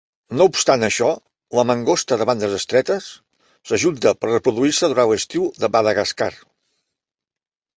No obstant això, la mangosta de bandes estretes, s'ajunta per reproduir-se durant l'estiu de Madagascar.